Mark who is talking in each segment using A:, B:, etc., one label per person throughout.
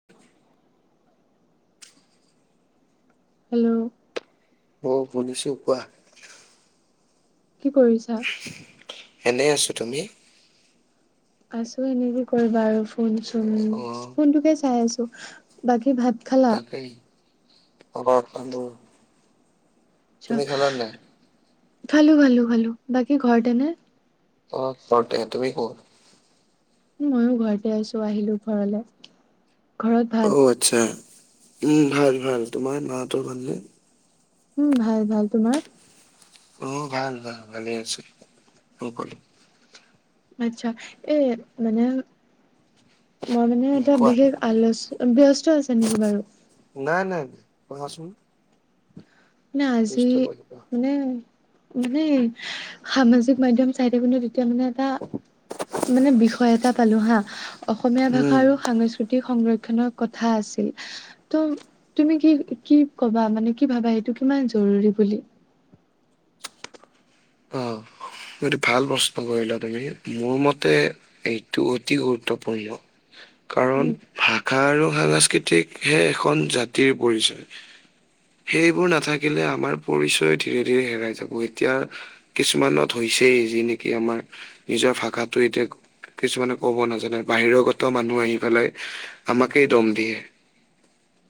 A: [inaudible]
B: Hello?
A: অ শুনিছো কোৱা?
B: কি কৰিছা?
A: এনেই আছো, তুমি?
B: আছো এনেকে কৰিবা আৰু ফোন - চোন
A: অ
B: ফোনটোকে চাই আছো। বাকী ভাত খালা?
A: তাকেই আবাৰ ফান্দ
B: খালো খালো খালো, বাকী ঘৰতেনে?
A: অ ঘৰতে তুমি ক'ত?
B: ময়ো ঘৰতে আছো আহিলো ঘৰলে ঘৰত ভাল।
A: আচ্চা উম ভাল ভাল তোমাৰ মা হতৰ ভালনে?
B: উম ভাল ভাল তোমাৰ?
A: উ ভাল ভাল ভালে আছে সকলো।
B: আচ্ছা এ মানে মই মানে
A: উম,
B: এটা
A: কোৱা
B: বিশেষ আলোচ ব্যস্ত আছে নেকি বাৰু?
A: নাই নাই কোৱাচোন?
B: নাই আজি
A: বুজিতে পাৰলো কোৱা।
B: মানে মানে সামাজিক মাধ্যম চাই থাকোঁতে এতিয়া মানে এটা মানে বিষয় এটা পালো হা অসমীয়া ভাষা
A: উম
B: আৰু সাংস্কৃ সাংস্কৃতিক সংৰক্ষনৰ কথা আছিল। ত' তুমি কি কি কবা মানে কি ভাবা সেইটো কিমান জৰুৰী বুলি? [inaudible]
A: তুমিতো ভাল প্ৰশ্ন কৰিলা তেনেকে মোৰ মতে এইটো অতি গুৰুত্বপূৰ্ণ কাৰণ
B: উম
A: ভাগ আৰু সাংস্কৃতিকহে এখন জাতিৰ পৰিচয়। সেইবোৰ নাথাকিলে আমাৰ পৰিচয় ধীৰে ধীৰে হেৰাই যাব এতিয়া কিছুমানত হৈছেই যি নেকি আমাৰ নিজৰ ভাষাটো এতিয়া কিছুমানে ক'ব নাজানে বাহিৰগত মানুহ আহি পেলাই আমাকেই দম দিয়ে।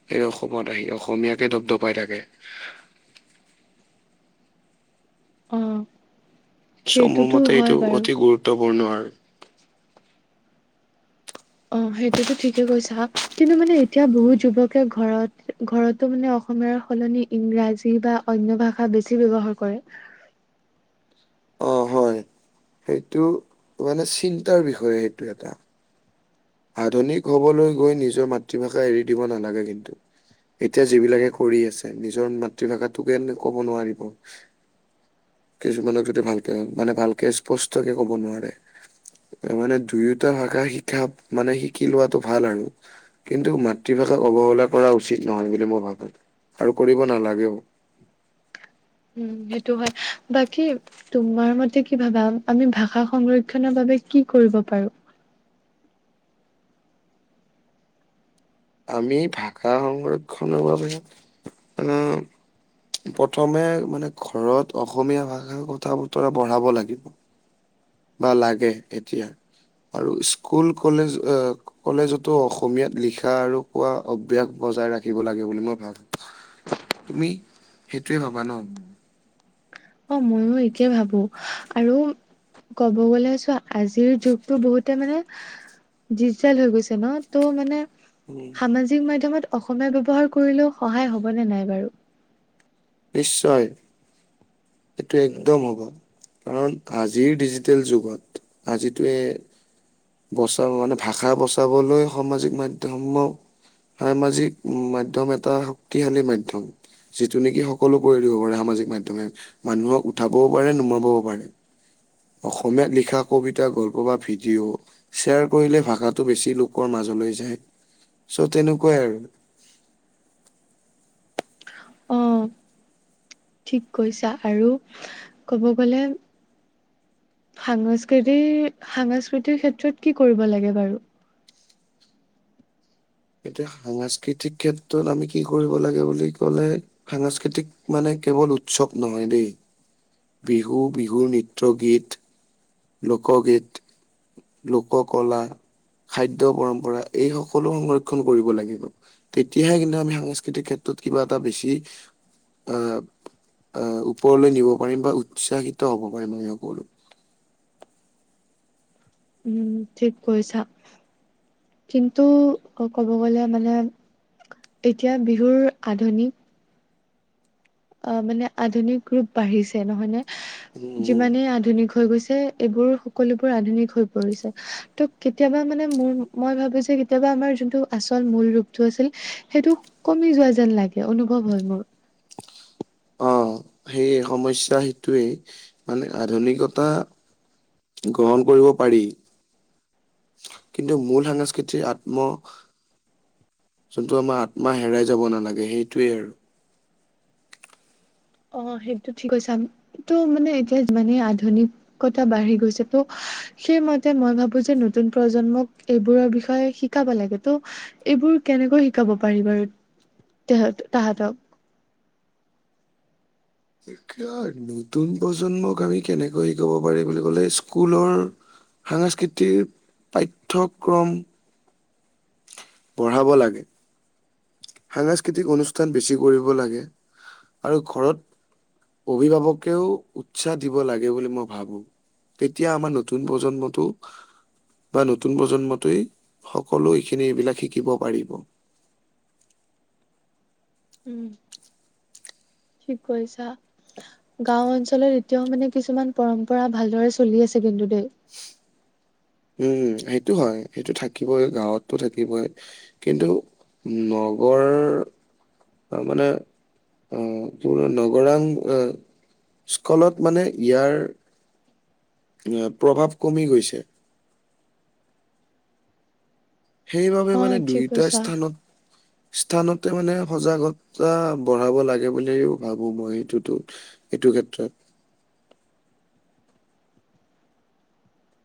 A: সেই অসমত আহি অসমীয়াকে দব দপাই থাকে।
B: অ।
A: চ' মোৰ
B: সেইটোতো
A: মতে
B: হয়
A: এইটো
B: বাৰু
A: অতি গুৰুত্বপূৰ্ণ আৰু।
B: অ সেইটোতো ঠিকে কৈছা হা কিন্তু মানে এতিয়া বহুত যুৱক কে ঘৰত ঘৰতো মানে অসমীয়াৰ সলনি ইংৰাজী বা অন্য ভাষা বেছি ব্যৱহাৰ কৰে।
A: অ হয় সেইটো মানে চিন্তাৰ বিষয়ে সেইটো এটা আধুনিক হবলৈ গৈ নিজৰ মাতৃভাষা এৰি দিব নালাগে কিন্তু এতিয়া যিবিলাকে কৰি আছে নিজৰ মাতৃভাষাটোকে কব নোৱাৰিব কিছুমানক যদি ভালকে মানে ভালকে স্পষ্টকে ক'ব নোৱাৰে মানে দুয়োটা ভাষা শিকা মানে শিকি লোৱাটো ভাল আৰু কিন্তু মাতৃভাষাক অৱহেলা কৰা উচিত নহয় বুলি মই ভাবো আৰু কৰিব নালাগেও
B: উম সেইটো হয় বাকী তোমাৰ মতে কি ভাবা আমি ভাষা সংৰক্ষনৰ বাবে কি কৰিব পাৰোঁ।
A: আমি ভাষা সংৰক্ষণৰ বাবে ও প্ৰথমে মানে ঘৰত অসমীয়া ভাষা কথা বতৰা বঢ়াব লাগিব। বা লাগে এতিয়া আৰু স্কুল কলেজ আহ কলেজতো অসমীয়াত লিখা আৰু কোৱা অভ্যাস বজাই ৰাখিব লাগে বুলি মই ভাবোঁ। তুমি সেইটোৱে ভাবা ন?
B: অ ময়ো এইটোৱে ভাবো আৰু ক'ব গলে চোৱা আজিৰ যুগতটো বহুতে মানে ডিজিটেল হৈ গৈছে ন ত' মানে সামাজিক মাধ্যমত অসমীয়া ব্যৱহাৰ কৰিলেও সহায় হবনে নাই বাৰু?
A: নিশ্চয় এইটো একদম হ'ব কাৰণ আজিৰ ডিজিটেল যুগত আজিতুচ্ছয়ে বচা মানে ভাষা বচাবলৈ সামাজিক মাধ্যমত সামাজিক মাধ্যম এটা শক্তিশালী মাধ্যম যিটো নেকি সকলো কৰি দিব পাৰে সামাজিক মাধ্যমে। মানুহক উঠাবও পাৰে, নমাবও পাৰে। অসমীয়াত লিখা কবিতা গল্প বা ভিডিঅ', শ্বেয়াৰ কৰিলে ভাষাটো বেছি লোকৰ মাজলৈ যায়। চ' তেনেকুৱাই আৰু।
B: অ' ঠিক কৈছা আৰু ক'ব গ'লে, সাংস্কৃতি, সাংস্কৃতিৰ ক্ষেত্ৰত কি কৰিব লাগে বাৰু?
A: এতিয়া সাংস্কৃতিক ক্ষেত্ৰত আমি কি কৰিব লাগে বুলি ক'লে, সাংস্কৃতিক মানে কেৱল উৎসৱ নহয় দেই। বিহু, বিহুৰ নৃত্য গীত। লোকগীত, লোক কলা। খাদ্য পৰম্পৰা, এই সকলো সংৰক্ষণ কৰিব লাগিব। তেতিয়াহে কিন্তু আমি সাংস্কৃতিক ক্ষেত্ৰত কিবা এটা বেছি, আহ আহ ওপৰলৈ নিব পাৰিম বা উৎসাহিত হ'ব পাৰিম আমি সকলো।
B: উম ঠিক কৈছা। কিন্তু ক'ব গ'লে মানে, এতিয়া বিহুৰ আধুনিক, অ মানে আধুনিক ৰূপ বাঢ়িছে নহয় নে?
A: উম।
B: ইমানেই আধুনিক হৈ গৈছে এইবোৰ সকলোবোৰ আধুনিক হৈ পৰিছে। ত কেতিয়াবা মানে মোৰ মই ভাবো যে কেতিয়াবা আমাৰ যোনটো আচল মূল ৰূপটো আছিল সেইটো, কমি যোৱা যেন লাগে, অনুভৱ হয় মোৰ।
A: অ সেইয়ে সমস্যা সেইটোৱেই। মানে আধুনিকতা, গ্ৰহণ কৰিব পাৰি। কিন্তু মূল সাংস্কৃতিৰ আত্ম- যোনটো আমাৰ আত্মা হেৰাই যাব নালাগে সেইটোৱে আৰু।
B: অ সেইটো ঠিক কৈছা। এইটো মানে এতিয়া যিমানে আধুনিক, কতা বাঢ়ি গৈছে ত', সেইমতে মই ভাবো যে নতুন প্ৰজন্মক এইবোৰৰ বিষয়ে শিকাব লাগে। ত, এইবোৰ কেনেকৈ শিকাব পাৰি বাৰু তেহত তাহাঁতক?
A: এতিয়া নতুন প্ৰজন্মক আমি কেনেকৈ শিকাব পাৰি বুলি ক'লে স্কুলৰ, সাংস্কৃতিৰ পাঠ্যক্ৰম- পঢ়াব লাগে। সাংস্কৃতিক অনুষ্ঠান বেছি কৰিব লাগে। আৰু ঘৰত অভিভাৱকেও উৎসাহ দিব লাগে বুলি মই ভাবোঁ। তেতিয়া আমাৰ নতুন প্ৰজন্মটো- বা নতুন প্ৰজন্মটোই সকলো এইখিনি এইবিলাক শিকিব পাৰিব।
B: উম, ঠিক কৈছা। গাওঁ অঞ্চলত এতিয়াও মানে কিছুমান পৰম্পৰা ভালদৰে চলি আছে কিন্তু দেই।
A: উম, সেইটো হয় সেইটো থাকিবই গাঁৱতটো থাকিবই। কিন্তু নগৰ- অ মানে অ প নগৰাং এ [unintelligible] স্কলত মানে ইয়াৰ- এ প্ৰভাৱ কমি গৈছে। সেইবাবে
B: অ
A: মানে
B: ঠিক
A: দুইটা
B: কৈছা
A: স্থানত, স্থানতে মানে সজাগতা বঢ়াব লাগে বুলিও ভাবো মই সেইটোতো, এইটো ক্ষেত্ৰত।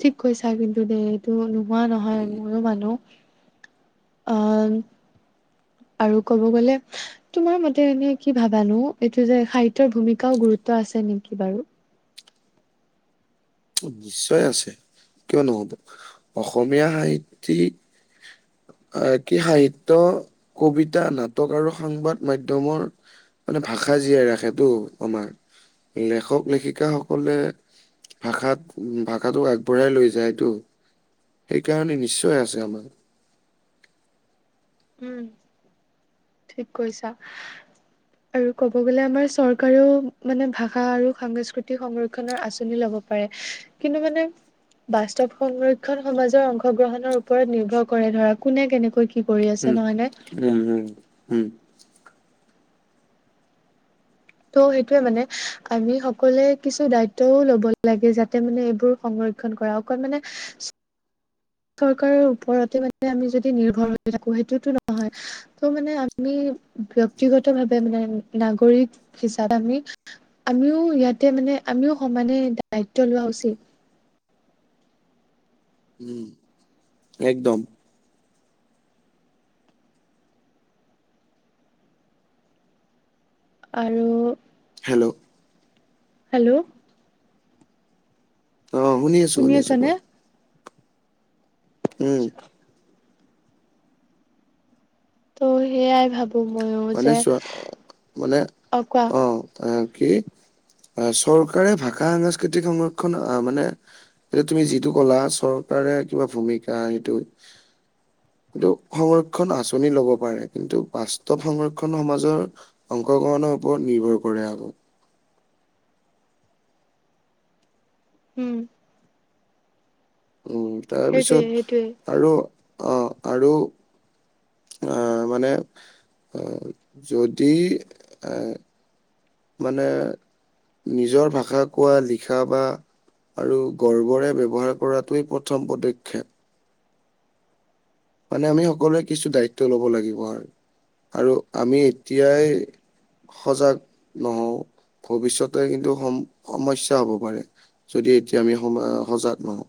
B: ঠিক কৈছা কিন্তু দেই এইটো নোহোৱা নহয়, ময়ো মানুহ। [unintelligible] আহ! আৰু ক'ব গলে [unintelligible] তোমাৰ মতে এনেই কি ভাবানো এইটো যে সাহিত্যৰ ভূমিকাও গুৰুত্ব আছে নেকি বাৰু? [unintelligible]
A: নিশ্চয় আছে কিয় নহ'ব? অসমীয়া সাহিত্যিক [unintelligible] আহ'! কি সাহিত্য, কবিতা, নাটক আৰু সংবাদ মাধ্যমৰ [unintelligible] মানে ভাষা জীয়াই ৰাখেটো আমাৰ। লেখক-লেখিকাসকলে [unintelligible] ভাষাত ভাষাটোক আগবঢ়াই লৈ যায়টো [inaudible] সেইকাৰণে নিশ্চয় আছে।
B: উম [unintelligible] ঠিক কৈছা। আৰু ক'ব গ'লে আমাৰ চৰকাৰেও মানে ভাষা আৰু সাংস্কৃতিৰ সংৰক্ষণৰ আঁচনি ল'ব পাৰে। [unintelligible] কিন্তু মানে [unintelligible] বাস্তৱ সংৰক্ষণ সমাজৰ অংশগ্ৰহণৰ ওপৰত নিৰ্ভৰ কৰে ধৰা কোনে কেনেকৈ কি কৰে? [unintelligible]
A: উম [inaudible] উম-উম-উম [unintelligible]
B: ত' সেইটোৱেই মানে আমি সকলোৱে কিছু দায়িত্বও ল'ব লাগে যাতে মানে এইবোৰ সংৰক্ষণ [unintelligible] কৰা অকল মানে [unintelligible] চৰকাৰৰ ওপৰতে মানে আমি যদি নিৰ্ভৰ হৈ থাকো সেইটোতো নহয়। [unintelligible] ত' মানে আমি ব্যক্তিগতভাৱে মানে নাগৰিক হিচাপে আমি [unintelligible] আমিও ইয়াতে মানে আমিও সমানে দায়িত্ব লোৱা উচিত। [unintelligible]
A: উম [unintelligible] একদম। [inaudible]
B: আৰু [unintelligible]
A: হেল্ল'! [unintelligible]
B: হেল্ল'! [inaudible]
A: অঁ, শুনি আছো, শুনি আছোঁ। কোৱা? [unintelligible] উম। [inaudible]
B: ত' সেয়াই ভাবোঁ [unintelligible]
A: মানে চোৱা [unintelligible] মানে
B: অ কোৱা
A: অঁ, কি? চৰকাৰে ভাষা, সাংস্কৃতিক সংৰক্ষণ আহ মানে [unintelligible] এতিয়া তুমি যিটো কলা চৰকাৰে কিবা ভূমিকা সেইটো [unintelligible] এইটো সংৰক্ষণ আঁচনি ল'ব পাৰে, কিন্তু বাস্ত [unintelligible] ত [unintelligible] সংৰক্ষণ সমাজৰ অংশগ্ৰহণৰ ওপৰত নিৰ্ভৰ কৰে আৰু। [unintelligible]
B: উম। [inaudible]
A: উম।
B: সেইটোৱে
A: তাৰপিছত
B: সেইটোৱে
A: আৰু অঁ আৰু [unintelligible] আহ! মানে [unintelligible] যদি এ [unintelligible] মানে নিজৰ ভাষা কোৱা, লিখা বা [unintelligible] আৰু গৰ্বৰে ব্যৱহাৰ কৰাটোৱেই প্ৰথম পদক্ষেপ। [unintelligible] মানে আমি সকলোৱে কিছু দায়িত্ব লব লাগিব আৰু। [unintelligible] আৰু আমি এতিয়াই সজাগ নহওঁ ভৱিষ্যতে কিন্তু সম-সমস্যা হ'ব পাৰে। [unintelligible] যদি এতিয়া আমি সম [unintelligible] সজাগ নহওঁ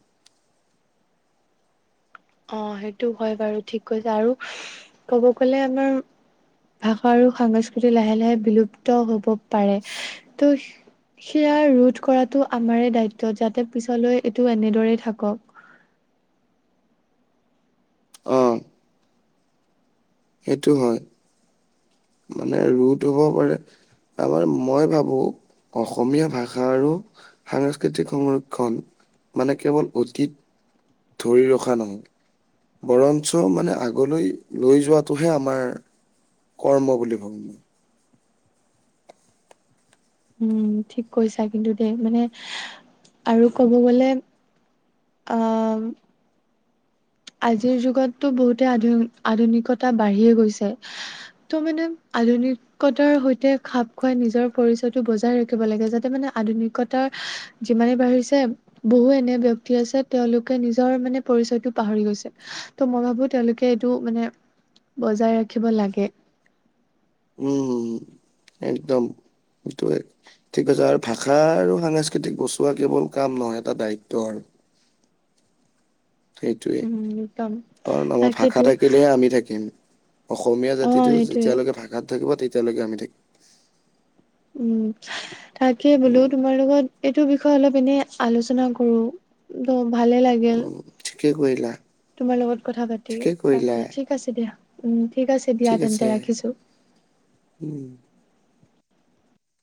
B: অঁ সেইটো হয় বাৰু ঠিক কৈছা আৰু ক'ব গ'লে আমাৰ [unintelligible] ভাষা আৰু সংস্কৃতি লাহে-লাহে বিলুপ্ত হব পাৰে, ত' [unintelligible] সেয়া ৰোধ কৰাটো আমাৰে দায়িত্ব যাতে পিছলৈ এইটো এনেদৰেই থাকক। [unintelligible]
A: অ' সেইটো হয়। [inaudible] মানে ৰোধ হ'ব পাৰে। তাৰমানে মই ভাবোঁ অসমীয়া ভাষা আৰু [inaudible] সাংস্কৃতিক সংৰক্ষণ মানে কেৱল অতীত [unintelligible] ধৰি ৰখা নহয় বৰঞ্চ মানে আগলৈ লৈ যোৱাটোহে আমাৰ কৰ্ম বুলি ভাবো মই
B: উম ঠিক কৈছা কিন্তু দেই মানে আৰু ক'ব গলে আ আজিৰ যুগততো বহুতে আধু আধুনিকতা বাঢ়িয়ে গৈছে ত মানে আধুনিক কতাৰ সৈতে খাপ খুৱাই নিজৰ পৰিচয়টো বজাই ৰাখিব লাগে যাতে মানে আধুনিকতাৰ যিমানে বাঢ়িছে বহু এনে ব্যক্তি আছে তেওঁলোকে নিজৰ মানে পৰিচয়টো পাহৰি গৈছে ত' মই ভাবো তেওঁলোকে এইটো মানে বজাই ৰাখিব লাগে
A: উম একদম এইটো হয় ঠিক কৈছা আৰু ভাষা আৰু সাংস্কৃতিক বচোৱা কেৱল কাম নহয় এটা দায়িত্ব আৰু সেইটোৱে
B: উম একদম
A: কাৰণ আমাৰ
B: তাকেতো
A: ভাষা থাকিলেহে আমি থাকিম অসমীয়া
B: অ
A: জাতিটো
B: সেইটোৱে
A: যেতিয়ালৈকে ভাষাত থাকিব তেতিয়ালৈকে আমি থাকিম
B: উম তাকে বোলো
A: উম,
B: তোমাৰ লগত এইটো বিষয়ে অলপ এনেই আলোচনা কৰো ত ভালে লাগ গিল
A: উম, ঠিকে কৰিলা
B: তোমাৰ লগত কথা পাতি
A: ঠিকে কৰিলা
B: তাকে ঠিক আছে দিয়া উম ঠিক আছে দিয়া তেন্তে ৰাখিছো
A: উম